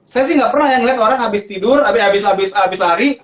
saya sih gak pernah yang ngeliat orang abis tidur abis abis lari